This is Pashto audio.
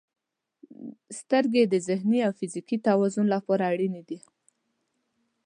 • سترګې د ذهني او فزیکي توازن لپاره اړینې دي.